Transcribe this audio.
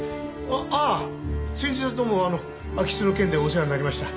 ああ先日はどうも空き巣の件でお世話になりました。